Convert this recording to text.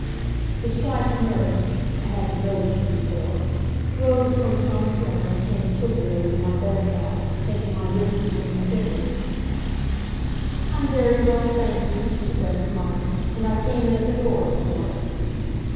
The striped nurse (I hadn't noticed her before) rose from some corner and came swiftly over to my bedside, taking my wrist between her fingers. "I'm very well, thank you," she said, smiling, "and I came in at the door, of course."